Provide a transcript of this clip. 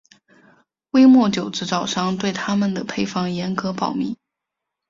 威末酒制造商对他们的配方严格保密。